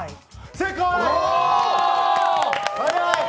正解！